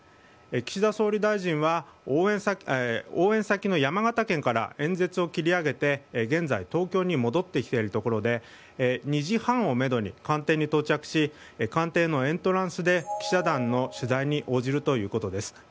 岸田総理大臣は応援先の山形県から演説を切り上げて現在、東京に戻ってきているところで２時半をめどに官邸に到着し官邸のエントランスで記者団の取材に応じるということです。